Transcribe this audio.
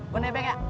gue nebek ya